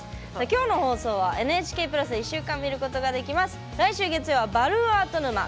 今日の放送はＮＨＫプラスで１週間見ることができます。